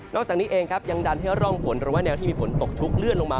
จากนี้เองครับยังดันให้ร่องฝนหรือว่าแนวที่มีฝนตกชุกเลื่อนลงมา